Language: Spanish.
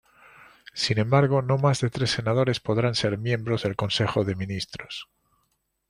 Sin embargo, no más de tres senadores podrán ser miembros del Consejo de Ministros.